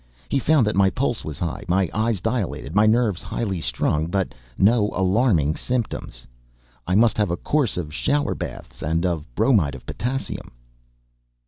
He found that my pulse was high, my eyes dilated, my nerves highly strung, but no alarming symptoms. I must have a course of shower baths and of bromide of potassium.